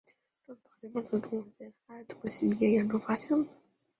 这种早期的腕足动物是在加拿大的伯吉斯页岩中发现的。